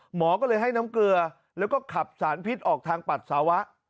หมอก็เลยให้น้ำเกลือแล้วก็ขับสารพิษออกทางปัสสาวะ